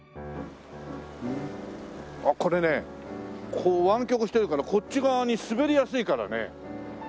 あっこれねこう湾曲してるからこっち側に滑りやすいからね。